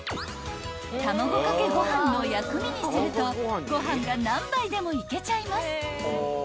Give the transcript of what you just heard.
［卵かけご飯の薬味にするとご飯が何杯でもいけちゃいます］